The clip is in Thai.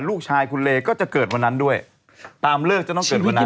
ลูกชายคุณเลก็จะเกิดวันนั้นด้วยตามเลิกจะต้องเกิดวันนั้น